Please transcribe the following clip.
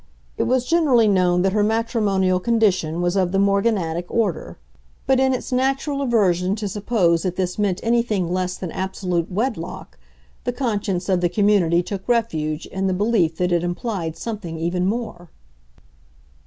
It was generally known that her matrimonial condition was of the "morganatic" order; but in its natural aversion to suppose that this meant anything less than absolute wedlock, the conscience of the community took refuge in the belief that it implied something even more.